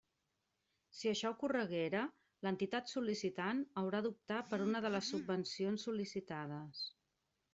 Si això ocorreguera, l'entitat sol·licitant haurà d'optar per una de les subvencions sol·licitades.